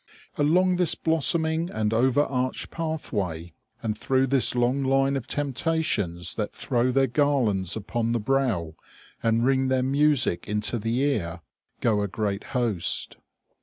Along this blossoming and over arched pathway, and through this long line of temptations that throw their garlands upon the brow, and ring their music into the ear, go a great host.